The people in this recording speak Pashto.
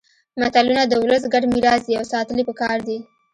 متلونه د ولس ګډ میراث دي او ساتل يې پکار دي